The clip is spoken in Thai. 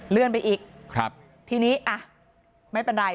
เลื่อนไปอีกครับทีนี้อ่ะไม่เป็นไร